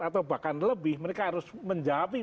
atau bahkan lebih mereka harus menjawabi